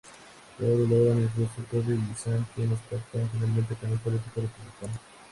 Todos lo lograrán, incluso Toby y Sam quienes pactan finalmente con un político republicano.